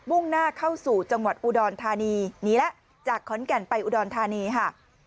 ่งหน้าเข้าสู่จังหวัดอุดรธานีหนีแล้วจากขอนแก่นไปอุดรธานีค่ะ